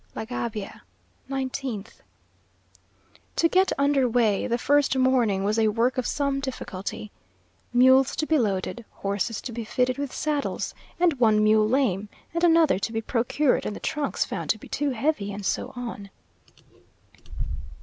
LA GABIA, 19th. To get under weigh the first morning was a work of some difficulty. Mules to be loaded, horses to be fitted with saddles; and one mule lame, and another to be procured, and the trunks found to be too heavy, and so on.